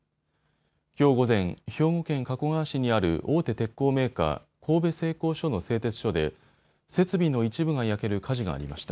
きょう午前、兵庫県加古川市にある大手鉄鋼メーカー、神戸製鋼所の製鉄所で設備の一部が焼ける火事がありました。